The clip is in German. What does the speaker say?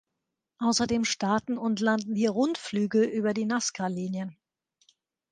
Außerdem starten und landen hier Rundflüge über die Nazca-Linien.